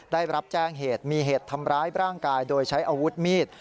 ได้รับแจ้งเหตุมีเหตุทำร้ายร่างกายโดยใช้อาวุธมีด